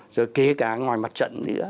rồi kể cả ngoài mặt trận nữa